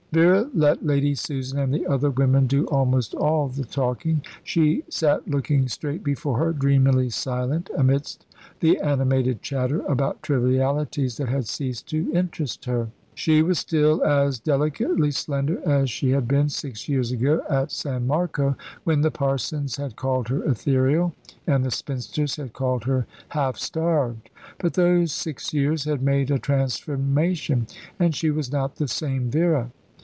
Vera let Lady Susan and the other women do almost all the talking. She sat looking straight before her, dreamily silent, amidst the animated chatter about trivialities that had ceased to interest her. She was still as delicately slender as she had been six years ago at San Marco, when the parsons had called her ethereal, and the spinsters had called her half starved; but those six years had made a transformation, and she was not the same Vera.